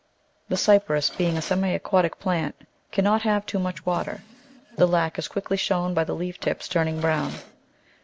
The Cyperus, being a semi aquatic plant, cannot have too much water; the lack is quickly shown by the leaf tips turn ing brown.